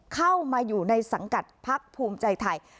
เข้ามาอยู่ในสังกัดพักภูมิใจไทย